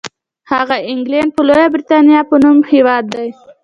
هغه انګلنډ یا لویه برېټانیا په نوم هېواد دی.